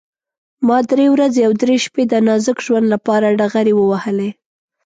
ما درې ورځې او درې شپې د نازک ژوند لپاره ډغرې ووهلې.